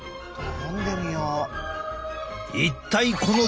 飲んでみよう。